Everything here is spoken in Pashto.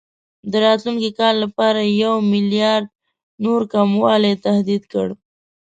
د راتلونکي کال لپاره یې یو میلیارډ نور کموالي تهدید کړ.